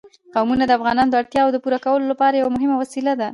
قومونه د افغانانو د اړتیاوو د پوره کولو یوه مهمه وسیله ده.